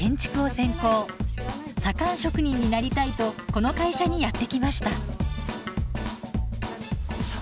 左官職人になりたいとこの会社にやって来ました。